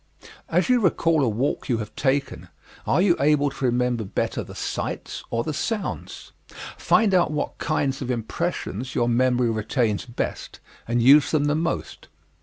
As you recall a walk you have taken, are you able to remember better the sights or the sounds? Find out what kinds of impressions your memory retains best, and use them the most.